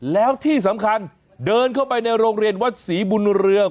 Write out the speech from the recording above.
แล้วที่สำคัญเดินเข้าไปในโรงเรียนวัดศรีบุญเรือง